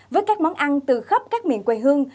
với các món ăn từ khắp các miền quê hương